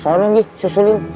soalnya gi susulin